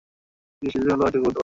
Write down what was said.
বিশেষ কিছু হলো, এটুকু বলতে পারি।